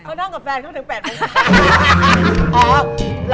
เขาน่ารกก็แฟนต้องถึง๘โมงเช้า